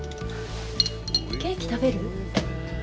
ケーキ食べる？